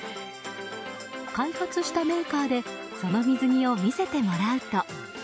開発したメーカーでこの水着を見せてもらうと。